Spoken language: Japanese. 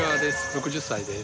６０歳です。